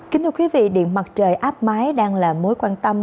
kính thưa quý vị điện mặt trời áp mái đang là mối quan tâm